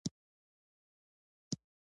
اوښ د دښتې لپاره جوړ شوی دی